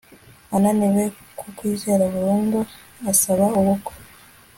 ananiwe kukwizeza burundu usaba ubukwe